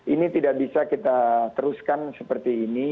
ini tidak bisa kita teruskan seperti ini